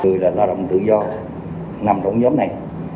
người là lao động tự do năm đồng giống này